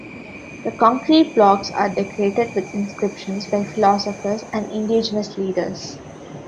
The concrete blocks are decorated with inscriptions by philosophers and indigenous leaders.